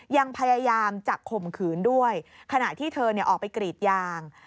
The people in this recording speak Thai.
ยังพยายามจะข่มขืนด้วยขณะที่เธอออกไปกรีดยาง